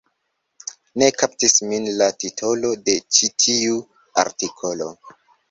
Ne kaptis min la titolo de ĉi tiu artikolo